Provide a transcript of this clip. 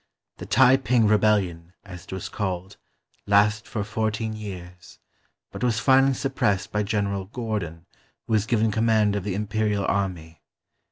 TheTai ping Rebellion, as it was called, lasted for fourteen years, but was finally suppressed by General Gordon who was given command of the Imperial army.